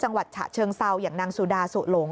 จังหวัดฉะเชิงเซาอย่างนางสุดาสุหลง